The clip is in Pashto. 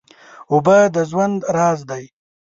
اوبه د ژوند راز دی.